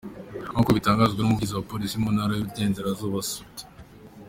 Nk’uko bitangazwa n’Umuvugizi wa Polisi mu Ntara y’Iburengerazuba, Supt.